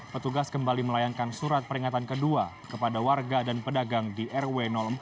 petugas kembali melayangkan surat peringatan kedua kepada warga dan pedagang di rw empat